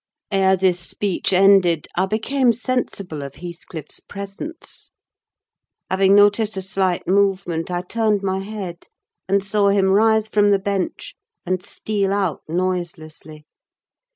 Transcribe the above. Ere this speech ended I became sensible of Heathcliff's presence. Having noticed a slight movement, I turned my head, and saw him rise from the bench, and steal out noiselessly.